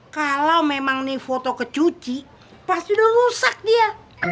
kalau memang ini foto kecuci pasti udah rusak dia